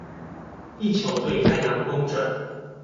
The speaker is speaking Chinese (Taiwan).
地球對太陽公轉